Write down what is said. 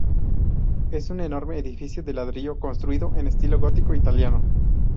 Es un enorme edificio de ladrillo construido en estilo gótico italiano.